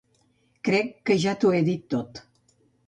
Crec que ja t'ho he dit tot.